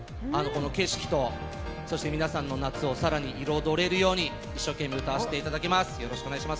景色と、皆さんの夏を更に彩れるように一生懸命歌わせていただきます。